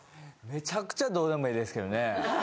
めちゃくちゃどうでもええですけどね。